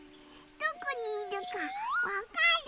どこにいるかわかる？